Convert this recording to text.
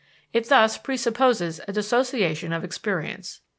It thus presupposes a dissociation of experience.